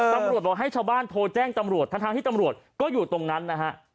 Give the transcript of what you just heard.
ตำรวจบอกให้ชาวบ้านโทรแจ้งตำรวจทั้งที่ตำรวจก็อยู่ตรงนั้นนะฮะ